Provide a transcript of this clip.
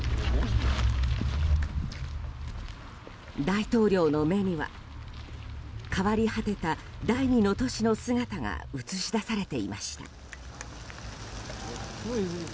大統領の目には変わり果てた第２の都市の姿が映し出されていました。